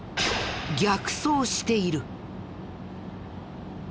逆走している。